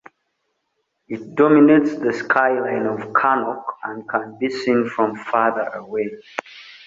It dominates the skyline of Cannock and can be seen from further away.